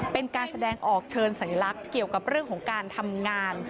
เป็นการแสดงออกเชิญสัญลักษณ์เกี่ยวกับเรื่องของการทำงาน